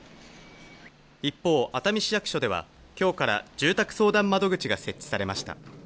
一方、熱海市役所では今日から住宅相談窓口が設置されました。